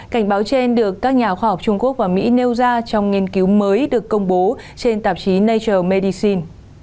cảnh báo trên được các nhà khoa học trung quốc và mỹ nêu ra trong nghiên cứu mới được công bố trên tạp chí nature medicine